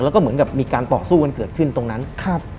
แล้วก็เหมือนกับมีการต่อสู้กันเกิดขึ้นตรงนั้นครับ